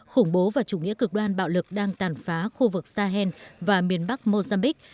khủng bố và chủ nghĩa cực đoan bạo lực đang tàn phá khu vực sahel và miền bắc mozambique